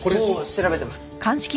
もう調べてます。